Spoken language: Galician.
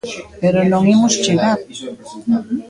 Pero non imos chegar.